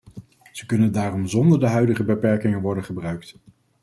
Ze kunnen daarom zonder de huidige beperkingen worden gebruikt.